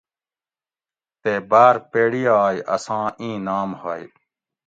تے باۤر پیڑی آئ اساں اِیں نام ہوئ